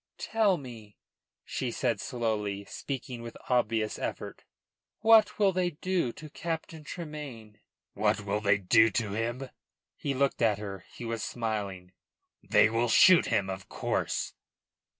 "Tell me," she said slowly, speaking with obvious effort, "what will they do to Captain Tremayne?" "What will they do to him?" He looked at her. He was smiling. "They will shoot him, of course."